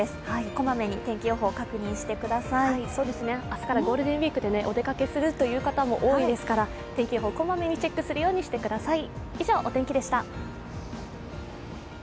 明日からゴールデンウイークでお出かけするという方も多いですから、天気予報、こまめにチェックするようにしてください。